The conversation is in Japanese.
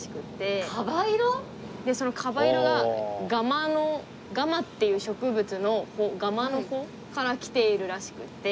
そのかば色がガマのガマっていう植物の穂ガマの穂からきているらしくて。